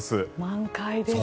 満開ですね。